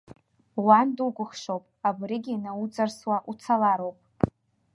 Уан дукәыхшоуп, абригьы науҵарсуа уцалароуп.